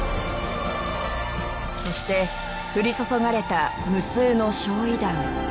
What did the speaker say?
そして降り注がれた無数の焼夷弾。